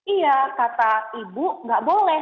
iya kata ibu nggak boleh